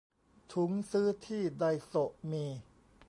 ถุงซื้อที่ไดโซะมี